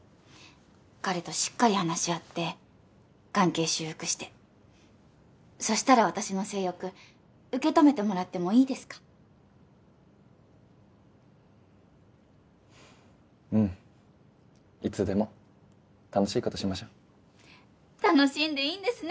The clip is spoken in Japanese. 彼としっかり話し合って関係修復してそしたら私の性欲受け止めてもらってもいいですかうんいつでも楽しいことしましょ楽しんでいいんですね